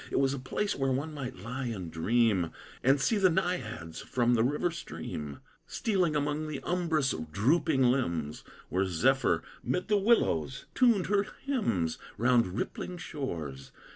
It was a place where one might lie and dream, And see the naiads, from the river stream, Stealing among the umbrous, drooping limbs; Where Zephyr, 'mid the willows, tuned her hymns Round rippling shores.